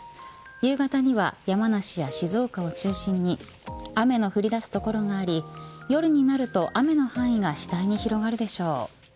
夕方には山梨や静岡を中心に雨の降り出す所があり夜なると雨の範囲が次第に広がるでしょう。